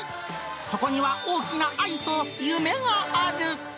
そこには大きな愛と夢がある。